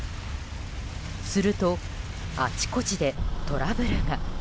すると、あちこちでトラブルが。